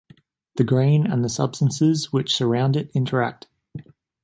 The grain and the substances which surround it interact.